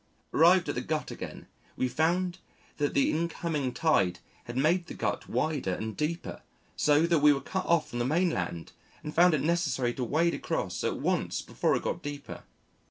Arrived at the gut again, we found that the incoming tide had made the gut wider and deeper so that we were cut off from the mainland, and found it necessary to wade across at once before it got deeper.